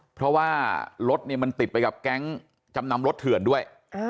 เพราะว่ารถเนี่ยมันติดไปกับแก๊งจำนำรถเถื่อนด้วย